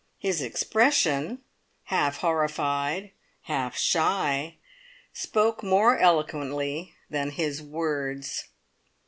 His expression, half horrified, half shy, spoke more eloquently than his words.